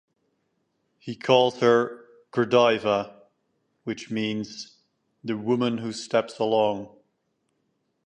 He calls her "Gradiva," which means "the woman who steps along"'.